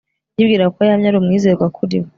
yibwiraga ko yamye ari umwizerwa kuri we